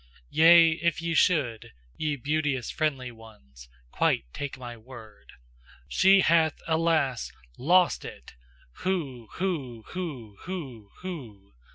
Yea, if ye should, ye beauteous friendly ones, Quite take my word: She hath, alas! LOST it! Hu! Hu! Hu! Hu!